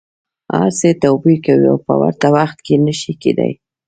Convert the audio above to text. هر څه توپیر کوي او په ورته وخت کي نه شي کیدای.